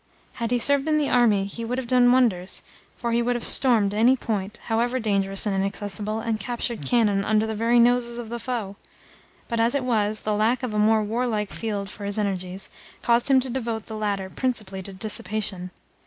Had he served in the army, he would have done wonders, for he would have stormed any point, however dangerous and inaccessible, and captured cannon under the very noses of the foe; but, as it was, the lack of a more warlike field for his energies caused him to devote the latter principally to dissipation.